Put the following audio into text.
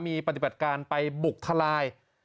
มีปฏิบัติการไปบุกทลาย